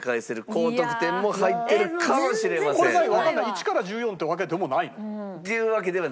１から１４ってわけでもないの？っていうわけではないです。